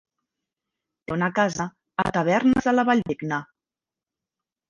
Té una casa a Tavernes de la Valldigna.